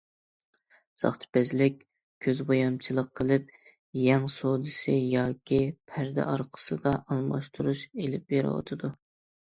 ساختىپەزلىك، كۆز بويامچىلىق قىلىپ يەڭ سودىسى ياكى پەردە ئارقىسىدا ئالماشتۇرۇش ئېلىپ بېرىۋاتىدۇ.